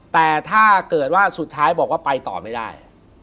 แต่ถ้าเกิดว่าสุดท้ายบอกว่าไปต่อไม่ได้